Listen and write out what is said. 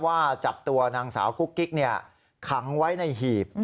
ว่าจับตัวนางสาวกุ๊กกิ๊กขังไว้ในหีบ